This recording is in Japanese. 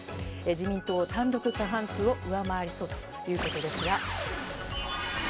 自民党、単独過半数を上回りそうということですが。